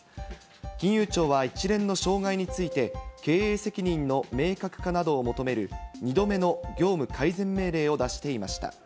金融庁は一連の障害について、経営責任の明確化などを求める、２度目の業務改善命令を出していました。